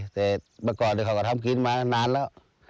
แต่เมื่อก่อนเขาก็ทำกินมานานแล้ว